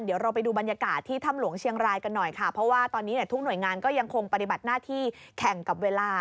เดี๋ยวเราไปดูบรรยากาศที่ถ้ำหลวงเชียงรายกันหน่อยค่ะเพราะว่าตอนนี้เนี่ยทุกหน่วยงานก็ยังคงปฏิบัติหน้าที่แข่งกับเวลา